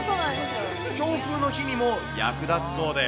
強風の日にも役立つそうです。